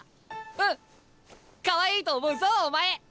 うんかわいいと思うぞお前！